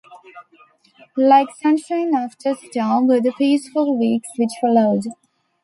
Like sunshine after storm were the peaceful weeks which followed.